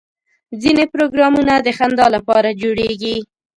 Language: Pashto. ځینې پروګرامونه د خندا لپاره جوړېږي.